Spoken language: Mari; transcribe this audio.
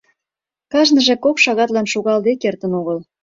Кажныже кок шагатлан шогалде кертын огыл.